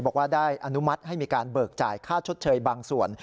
บอกว่าได้อนุมัติให้มีการเบิกจ่ายค่าชดเชยบางส่วน